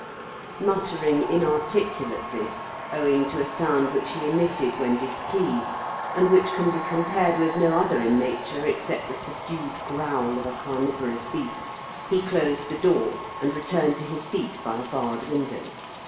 Muttering inarticulately, owing to a sound which he emitted when < Se jy KENT WITH CHARLES DICKESS, dkpleaaed, and which can be compaied no other in nature except the sabdued giowl of a camivorons beast, he closed the door, and returned to his seat by a barred window.